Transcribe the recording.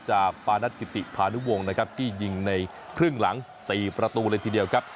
ปานัทกิติพานุวงศ์นะครับที่ยิงในครึ่งหลัง๔ประตูเลยทีเดียวครับ